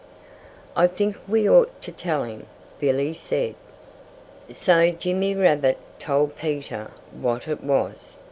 "I think we ought to tell him," Billy said. So Jimmy Rabbit told Peter what it was.